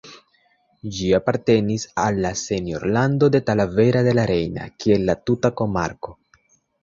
Ĝi apartenis al la senjorlando de Talavera de la Reina, kiel la tuta komarko.